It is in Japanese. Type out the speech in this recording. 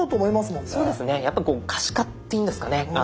そうですねやっぱ可視化っていうんですかね。